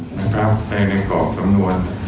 หากจะในของสำนวน